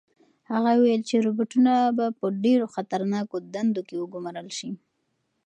هغه وویل چې روبوټونه به په ډېرو خطرناکو دندو کې وګمارل شي.